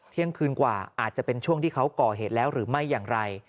เที่ยงคืนกว่าอาจจะเป็นช่วงที่เขาก่อเหตุแล้วหรือไม่อย่างไร